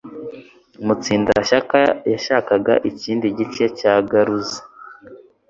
Mutsindashyaka yashakaga ikindi gice cya garuzi.